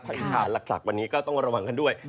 อีสานหลักวันนี้ก็ต้องระวังกันด้วย